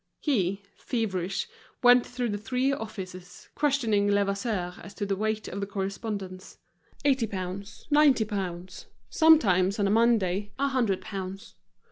He, feverish, went through the three offices, questioning Levasseur as to the weight of the correspondence; eighty pounds, ninety pounds, sometimes, on a Monday, a hundred pounds.